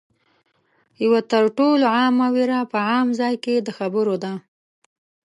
یوه تر ټولو عامه وېره په عامه ځای کې د خبرو ده